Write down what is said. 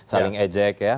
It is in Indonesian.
saling ejek ya